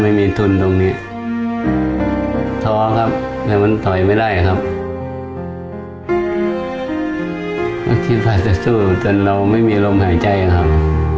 เมื่อกี้ภาษาสู้จนเราไม่มีร่มหายใจครับ